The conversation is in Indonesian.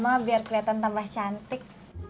mama biar kelihatan tambah cantik